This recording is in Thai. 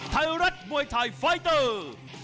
ไทยรัฐมวยไทยไฟเตอร์